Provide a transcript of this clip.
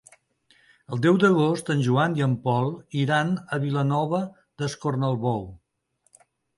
El deu d'agost en Joan i en Pol iran a Vilanova d'Escornalbou.